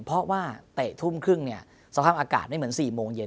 เพราะว่าเตะทุ่มครึ่งเนี่ยสภาพอากาศไม่เหมือน๔โมงเย็น